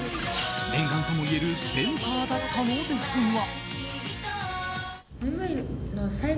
念願ともいえるセンターだったのですが。